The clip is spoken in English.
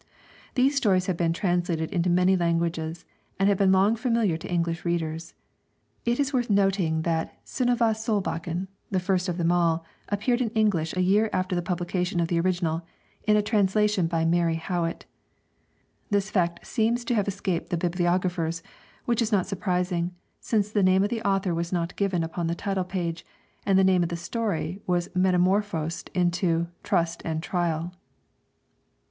These stories have been translated into many languages, and have long been familiar to English readers. It is worth noting that 'Synnöve Solbakken,' the first of them all, appeared in English a year after the publication of the original, in a translation by Mary Howitt. This fact seems to have escaped the bibliographers; which is not surprising, since the name of the author was not given upon the title page, and the name of the story was metamorphosed into 'Trust and Trial.'